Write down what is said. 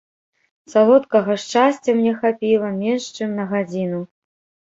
Салодкага шчасця мне хапіла менш чым на гадзіну.